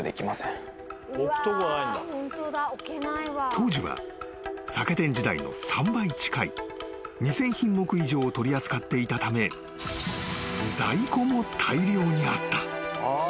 ［当時は酒店時代の３倍近い２，０００品目以上を取り扱っていたため在庫も大量にあった］